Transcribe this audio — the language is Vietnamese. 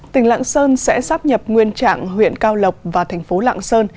tỉnh lạng sơn sẽ sắp nhập nguyên trạng huyện cao lộc và thành phố lạng sơn